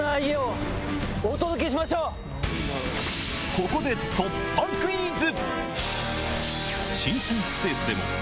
ここで突破クイズ！